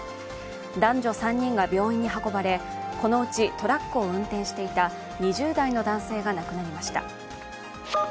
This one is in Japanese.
男女３人が病院に運ばれこのうちトラックを運転していた２０代の男性が亡くなりました。